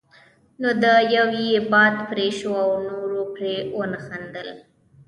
نو د يوه یې باد پرې شو او نورو پرې ونه خندل.